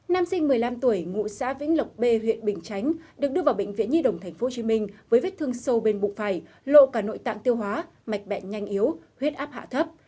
nam sinh một mươi năm tuổi ngụ xã vĩnh lộc b huyện bình chánh được đưa vào bệnh viện nhi đồng tp hcm với vết thương sâu bên bụng phải lộ cả nội tạng tiêu hóa mạch bẹn nhanh yếu huyết áp hạ thấp